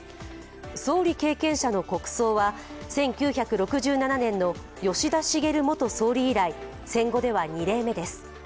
総理経験者の国葬は１９６７年の吉田茂総理以来戦後では２例目です。